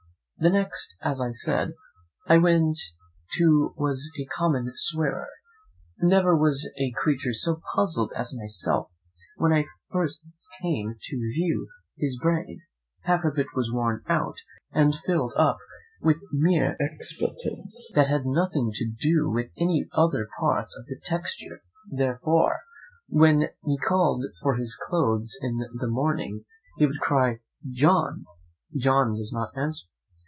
The next, as I said, I went to was a common swearer. Never was a creature so puzzled as myself when I came first to view his brain; half of it was worn out, and filled up with mere expletives that had nothing to do with any other parts of the texture; therefore, when he called for his clothes in a morning, he would cry, 'John!' John does not answer.